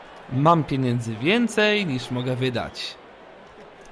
"Mam pieniędzy więcej, niż mogę wydać."